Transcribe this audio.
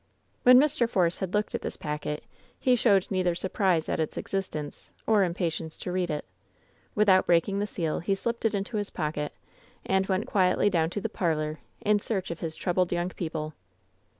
When Mr. Force had looked at this packet he showed neither surprise at its existence or impatience to read it* Without breaking the seal, he slipped it into his pocket* 114 WHEN SHADOWS DIE and went quietly down to the parlor in search of his troubled young people.